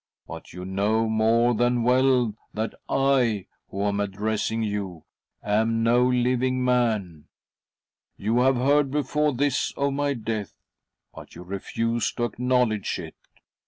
But you know more than well that I, who am addressing you, am no living man. You have heard before this of my death, but you refuse to acknowledge it.